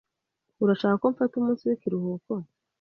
Urashaka ko mfata umunsi w'ikiruhuko?